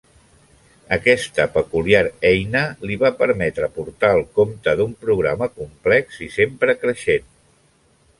Aquesta peculiar eina li va permetre portar el compte d'un programa complex i sempre creixent.